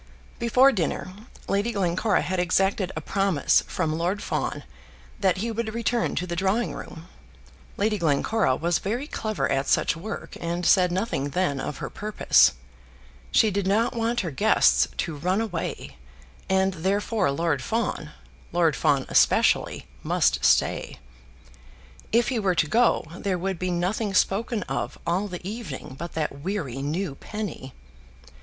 Before dinner Lady Glencora had exacted a promise from Lord Fawn that he would return to the drawing room. Lady Glencora was very clever at such work, and said nothing then of her purpose. She did not want her guests to run away, and therefore Lord Fawn, Lord Fawn especially, must stay. If he were to go there would be nothing spoken of all the evening, but that weary new penny.